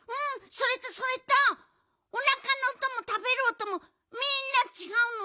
それとそれとおなかのおともたべるおともみんなちがうの。